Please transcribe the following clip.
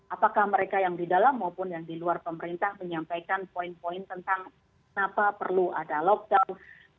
apakah mereka yang di dalam maupun yang di luar pemerintah menyampaikan poin poin tentang kenapa perlu ada lockdown